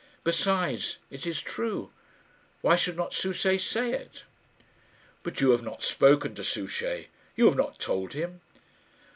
Besides, it is true. Why should not Souchey say it?" "But you have not spoken to Souchey; you have not told him?"